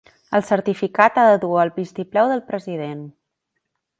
El certificat ha de dur el vistiplau del president.